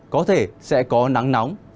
có thể sẽ có nắng nóng